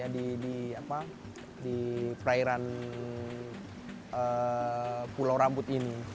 di perairan pulau rambut ini